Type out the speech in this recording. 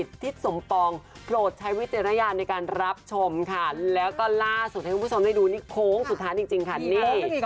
ทิศสมปองนครไทยสงศ์๙๐๗๘๓๐โค้งสุดท้ายวันนี้